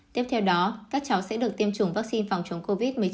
tiếp theo đó các cháu sẽ được tiêm chủng vaccine phòng chống covid một mươi chín